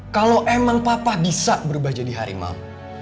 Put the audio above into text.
kalau emang papa bisa berubah jadi harimau